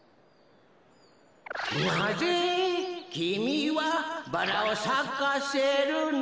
「なぜきみはバラをさかせるの」